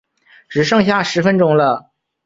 只剩下十分钟了